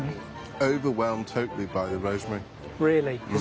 はい。